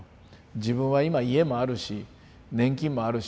自分は今家もあるし年金もあるし